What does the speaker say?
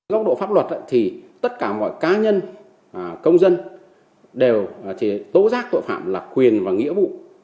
góc độ pháp luật thì tất cả mọi cá nhân công dân đều tố giác tội phạm là quyền và nghĩa vụ